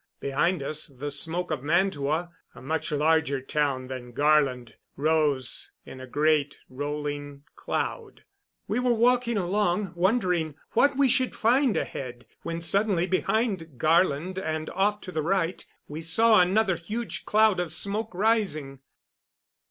Behind us the smoke of Mantua, a much larger town than Garland, rose in a great rolling cloud. We were walking along, wondering what we should find ahead, when suddenly behind Garland and off to the right we saw another huge cloud of smoke rising.